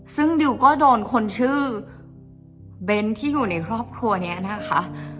ซึ่งดิวก็โดนคนชื่อเบ้นที่อยู่ในครอบครัวนี้นะคะ